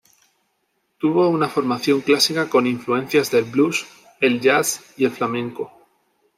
Tuvo una formación clásica con influencias del blues, el jazz y el flamenco.